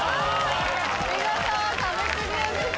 見事壁クリアです。